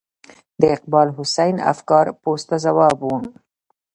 د اقبال حسین افګار پوسټ ته ځواب و.